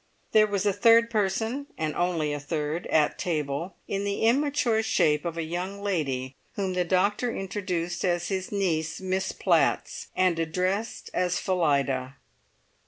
There was a third person, and only a third, at table in the immature shape of a young lady whom the doctor introduced as his niece Miss Platts, and addressed as Phillida.